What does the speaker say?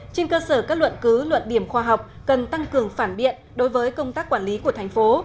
trên cơ sở các luận cứ luận điểm khoa học cần tăng cường phản biện đối với công tác quản lý của thành phố